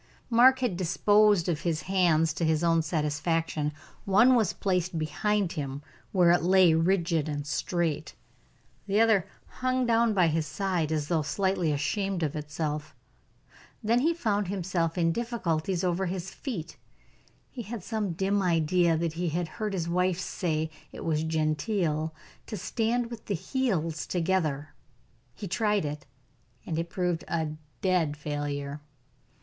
Mark had disposed of his hands to his own satisfaction: one was placed behind him, where it lay rigid and straight, the other hung down by his side as though slightly ashamed of itself. Then he found himself in difficulties over his feet. He had some dim idea that he had heard his wife say it was genteel to stand with the heels together; he tried it, and it proved a dead failure.